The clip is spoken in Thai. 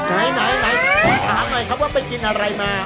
ไหนขอถามหน่อยครับว่าไปกินอะไรมา